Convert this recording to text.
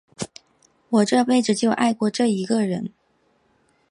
我这辈子就爱过这一个人。